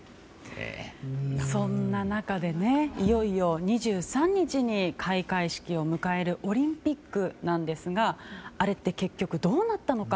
そんな中で、いよいよ２３日に開会式を迎えるオリンピックですがあれって結局どうなったのか。